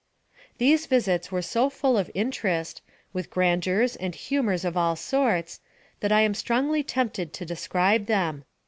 These visits were so full of interest, with grandeurs and humors of all sorts, that I am strongly tempted to describe them.